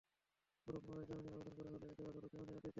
পরে পুনরায় জামিনের আবেদন করা হলে একই আদালত জামিনের আদেশ দেন।